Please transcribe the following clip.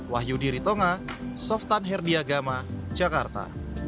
wahyu diritonga softan herdiagama jakarta